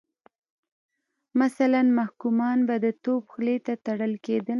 مثلا محکومان به د توپ خولې ته تړل کېدل.